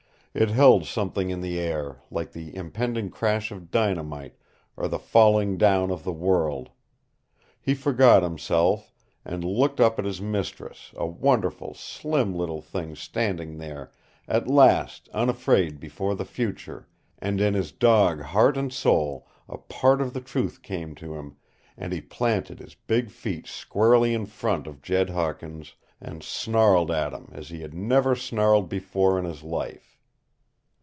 It held something in the air, like the impending crash of dynamite, or the falling down of the world. He forgot himself, and looked up at his mistress, a wonderful, slim little thing standing there at last unafraid before the future and in his dog heart and soul a part of the truth came to him, and he planted his big feet squarely in front of Jed Hawkins, and snarled at him as he had never snarled before in his life.